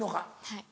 はい。